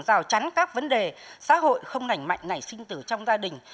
rào chắn các vấn đề xã hội không nảnh mạnh nảy sinh tử trong gia đình